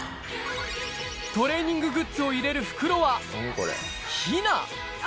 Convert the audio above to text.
トレーニンググッズを入れる袋は、ひな。